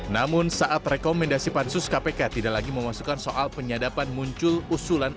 namun saat rekomendasi pansus kpk tidak lagi memasukkan soal penyadapan muncul usulan